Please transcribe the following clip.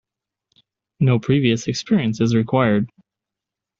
No previous experience is required.